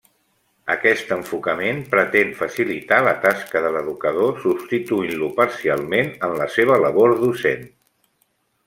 Aquest enfocament pretén facilitar la tasca de l'educador, substituint-lo parcialment en la seva labor docent.